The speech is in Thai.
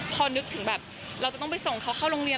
พอนึกถึงแบบเราจะต้องไปส่งเขาเข้าโรงเรียน